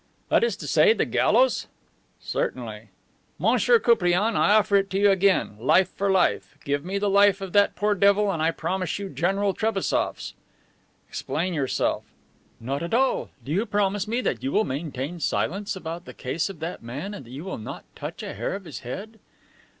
"That is to say, to the gallows?" "Certainly." "Monsieur Koupriane, I offer it to you again. Life for life. Give me the life of that poor devil and I promise you General Trebassof's." "Explain yourself." "Not at all. Do you promise me that you will maintain silence about the case of that man and that you will not touch a hair of his head?"